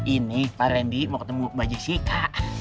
ini pak randy mau ketemu mbak jessica